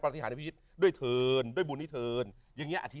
ปเดี๋ยวฟิดิยกด้วยทืรนด้วยบุลนี้ทืลยังเงี้ยอธิ